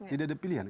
tidak ada pilihan